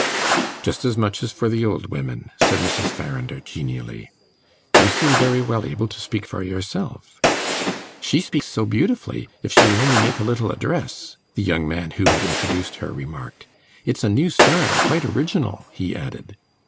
"Just as much as for the old women," said Mrs. Farrinder genially. "You seem very well able to speak for yourself." "She speaks so beautifully if she would only make a little address," the young man who had introduced her remarked. "It's a new style, quite original," he added.